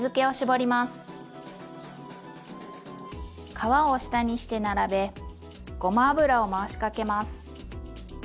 皮を下にして並べごま油を回しかけます。